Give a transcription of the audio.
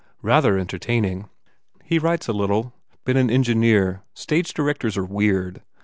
... Rather entertaining." "He writes a little. Been an engineer. Stage directors are weird.